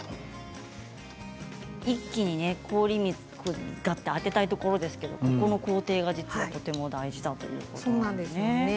一気に氷水に当てたいところですけれどこの工程がとても大事だということですね。